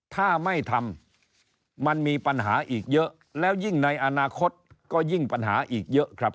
ถ้าไม่ทำมันมีปัญหาอีกเยอะแล้วยิ่งในอนาคตก็ยิ่งปัญหาอีกเยอะครับ